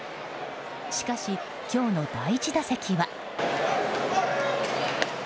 しかし、今日の第１打席は。